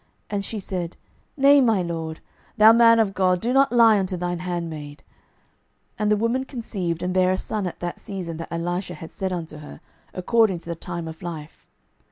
And she said, Nay, my lord, thou man of God, do not lie unto thine handmaid. 12:004:017 And the woman conceived, and bare a son at that season that Elisha had said unto her, according to the time of life.